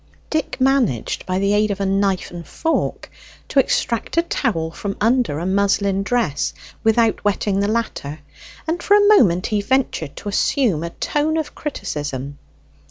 Dick managed, by the aid of a knife and fork, to extract a towel from under a muslin dress without wetting the latter; and for a moment he ventured to assume a tone of criticism.